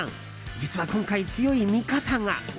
実は今回、強い味方が。